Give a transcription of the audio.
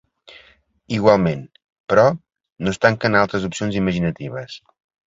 Igualment, però, no es tanquen a altres opcions “imaginatives”.